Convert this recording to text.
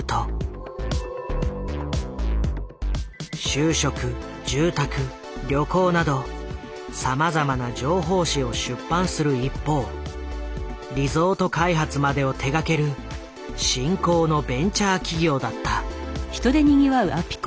就職住宅旅行などさまざまな情報誌を出版する一方リゾート開発までを手がける新興のベンチャー企業だった。